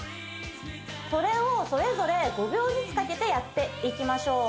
これをそれぞれ５秒ずつかけてやっていきましょう